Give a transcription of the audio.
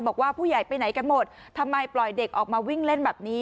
บอกว่าผู้ใหญ่ไปไหนกันหมดทำไมปล่อยเด็กออกมาวิ่งเล่นแบบนี้